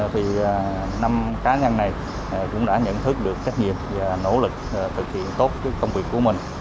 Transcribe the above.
thì năm cá nhân này cũng đã nhận thức được trách nhiệm và nỗ lực thực hiện tốt công việc của mình